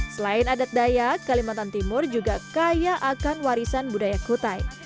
selain adat dayak kalimantan timur juga kaya akan warisan budaya kutai